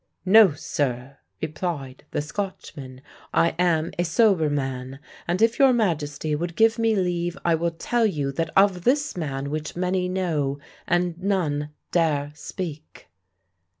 "No, sir," replied the Scotchman, "I am a sober man; and if your majesty would give me leave, I will tell you that of this man which many know, and none dare speak."